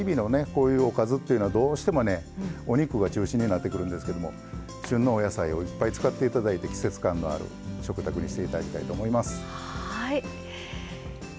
こういうおかずっていうのはどうしてもねお肉が中心になってくるんですけども旬のお野菜をいっぱい使っていただいて季節感のある食卓にしていただきたいと思います。